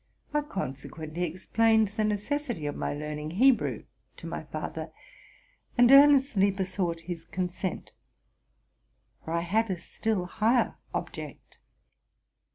I conse quently explained the necessity of my learning Hebrew to my father, and earnestly besought his consent; for I had a still higher object.